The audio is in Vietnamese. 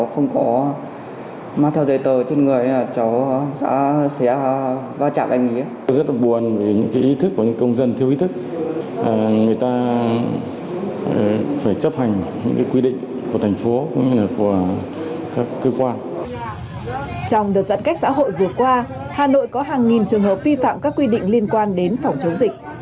trong đợt giãn cách xã hội vừa qua hà nội có hàng nghìn trường hợp vi phạm các quy định liên quan đến phòng chống dịch